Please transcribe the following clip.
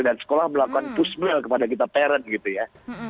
dan sekolah melakukan push mail kepada kita parent gitu ya